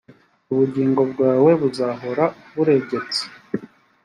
ubugingo bwawe buzahora buregetse,